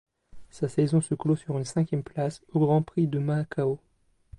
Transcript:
Sa saison se clôt sur une cinquième place au Grand Prix de Macao.